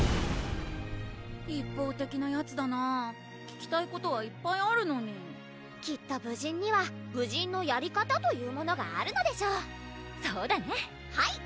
一方的なヤツだなぁ聞きたいことはいっぱいあるのにきっと武人には武人のやり方というものがあるのでしょうそうだねはい！